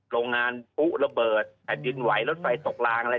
โรงงานปุ๊บระเบิดแต่ดืนไหวรถไฟสกลางแล้ว